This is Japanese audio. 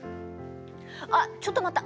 あっちょっと待った！